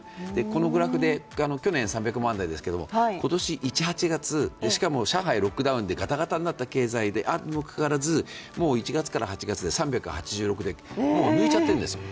このグラフで去年３００万台ですけど、今年１−８月、しかも上海、ロックダウンでガタガタになった経済にもかかわらずもう１月から８月で３８６万でもう抜いちゃってるんですよ。